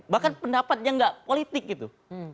bahkan pendapatnya nggak politik gitu